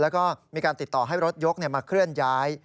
แล้วก็มีการติดต่อให้รถยกมาเคลื่อนย้าย